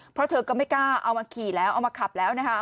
เพราะเธอก็ไม่กล้าเอามาขี่แล้วเอามาขับแล้วนะคะ